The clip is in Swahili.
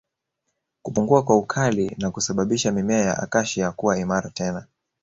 Kupungua kwa ukali na kusababisha mimea ya Acacia kuwa imara tena